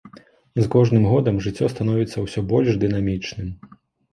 З кожным годам жыццё становіцца ўсё больш дынамічным.